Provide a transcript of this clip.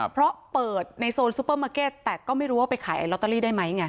เพราะเปิดในโซนซูเปอร์มาร์เก็ตแต่ก็ไม่รู้ว่าไปขายลอตเตอรี่ได้ไหมไง